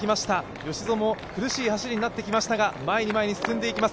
吉薗も苦しい走りになってきましたが前に前に進んでいきます。